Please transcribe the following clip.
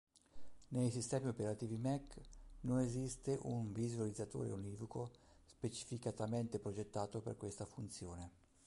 Nei sistemi operativi Mac non esiste un visualizzatore univoco specificatamente progettato per questa funzione.